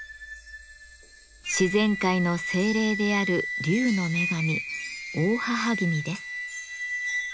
自然界の精霊である竜の女神大妣君です。